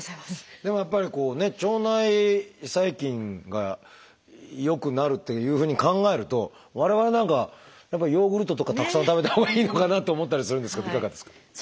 でもやっぱり腸内細菌が良くなるっていうふうに考えると我々なんかはやっぱりヨーグルトとかたくさん食べたほうがいいのかなと思ったりするんですけどいかがですか？